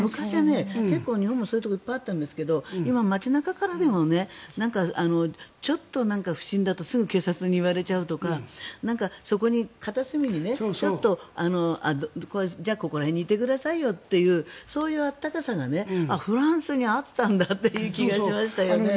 結構日本もそういうところあったんですが街中でもちょっと不審だったらすぐ警察に言われちゃうとか片隅にちょっとじゃあ、ここら辺にいてくださいよというそういう温かさがフランスにあったんだという気がしましたよね。